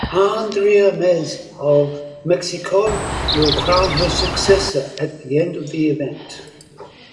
Andrea Meza of Mexico will crown her successor at the end of the event.